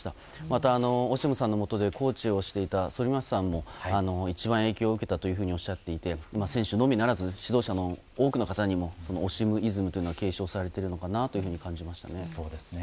また、オシムさんのもとでコーチをしていた反町さんも一番影響を受けたとおっしゃっていて選手のみならず、指導者も多くの方にもオシムイズムというのは継承されているのかなと感じましたね。